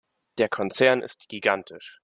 Der Konzern ist gigantisch.